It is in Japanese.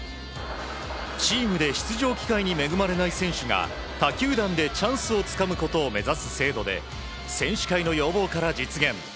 チームで出場機会に恵まれない選手が他球団でチャンスをつかむことを目指す制度で選手会の要望から実現。